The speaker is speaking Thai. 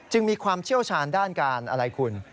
มีความเชี่ยวชาญด้านการอะไรคุณ